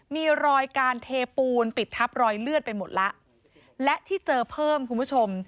มีรอยการเทปูนปิดทับรอยเลือดไปหมดแล้วและที่เจอเพิ่มคุณผู้ชม